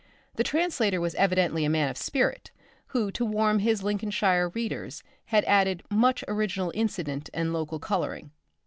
The translator was evidently a man of spirit, who to warm his Lincolnshire readers has added much original incident and local colouring.